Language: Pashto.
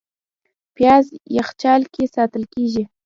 پیاز یخچال کې ساتل کېږي